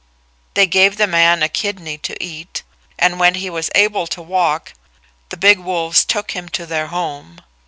They gave the man a kidney to eat, and when he was able to walk the big wolves took him to their home.